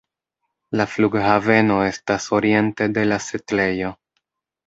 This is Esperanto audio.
La flughaveno estas oriente de la setlejo.